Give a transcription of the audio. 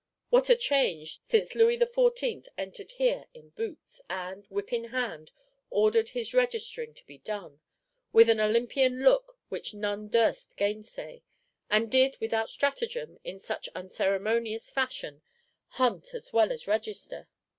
What a change, since Louis XIV. entered here, in boots; and, whip in hand, ordered his registering to be done,—with an Olympian look which none durst gainsay; and did, without stratagem, in such unceremonious fashion, hunt as well as register!